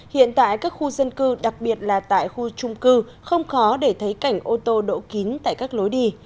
hiện tại các khu dân cư đặc biệt là tại khu trung cư không khó để thấy cảnh ô tô đỗ kín tại các lối đi